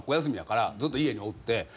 休みやからずっと家におって。